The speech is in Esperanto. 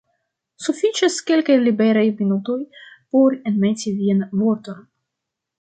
Sufiĉas kelkaj liberaj minutoj por enmeti vian vorton.